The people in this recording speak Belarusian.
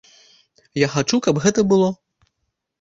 Я хачу, каб гэта было.